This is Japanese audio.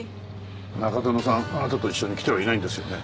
中園さんあなたと一緒に来てはいないんですよね？